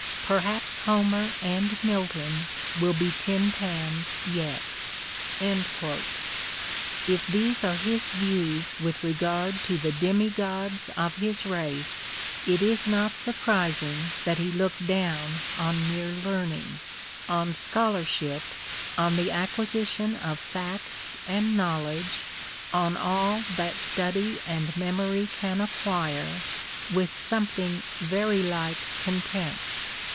Perhaps Homer and Milton will be tin pans yet. If these are his views with regard to the demigods of his race it is not surprising that he looked down on mere learning, on scholarship, on the acquisi tion of facts and knowledge, on all that study and memory can acquire, with something very like contempt.